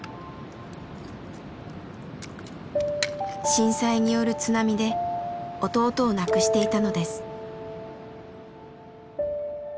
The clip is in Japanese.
震災による津波で弟を亡くしていたのです。